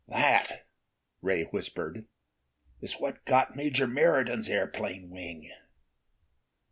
"That," Ray whispered, "is what got Major Meriden's airplane wing."